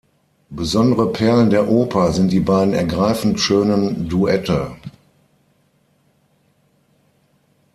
Besondere Perlen der Oper sind die beiden ergreifend schönen Duette.